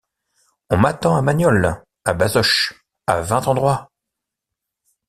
On m’attend à Magnolles, à Bazoches, à vingt endroits.